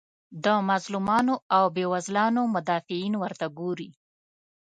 د مظلومانو او بیوزلانو مدافعین ورته ګوري.